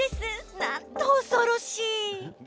なんと恐ろしい。